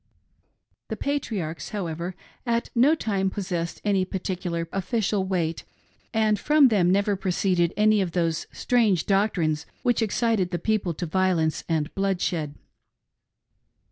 The Patriarchs, however, at no time possessed any particular personal or official weight, and from them never proceeded any of those strange doctrines which excited the people to violence and bloodshed.